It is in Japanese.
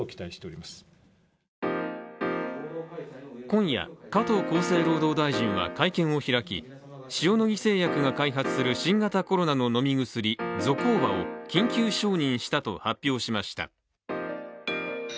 今夜、加藤厚生労働大臣は会見を開き塩野義製薬が開発する新型コロナの飲み薬、ゾコーバを緊急承認したと発表しました。